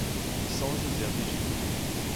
São José do Egito